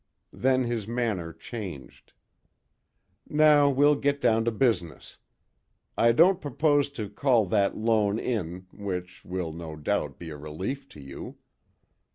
Then his manner changed. "Now we'll get down to business. I don't purpose to call that loan in, which will, no doubt, be a relief to you."